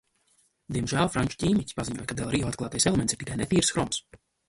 "Diemžēl franču ķīmiķi paziņoja, ka del Rio atklātais elements ir tikai "netīrs" hroms."